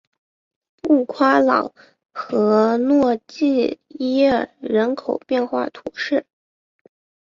布夸朗和诺济耶尔人口变化图示